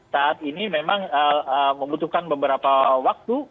saat ini memang membutuhkan beberapa waktu